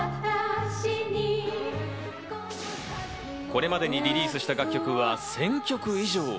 これまでにリリースした楽曲は１０００曲以上。